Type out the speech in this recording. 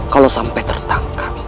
kalau sampai tertangkap